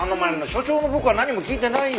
所長の僕は何も聞いてないよ。